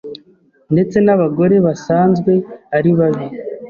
Ndetse n’abagore basanzwe ari babi